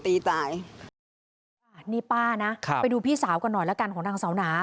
นี่ป้านะครับไปดูพี่สาวกันหน่อยแล้วกันของนางสาวหนา